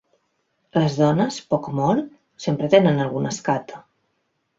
Les dones, poc o molt, sempre tenen alguna escata